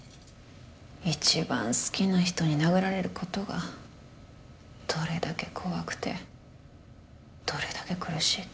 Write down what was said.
一番好きな人に殴られることがどれだけ怖くてどれだけ苦しいか